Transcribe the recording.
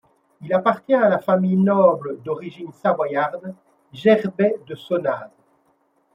Il appartient à la famille noble, d'origine savoyarde, Gerbaix de Sonnaz.